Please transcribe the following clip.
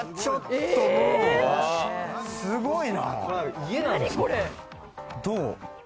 すごいな！